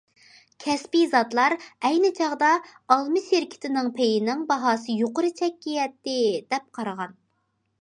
كەسپىي زاتلار ئەينى چاغدا ئالما شىركىتىنىڭ پېيىنىڭ باھاسى يۇقىرى چەككە يەتتى دەپ قارىغان.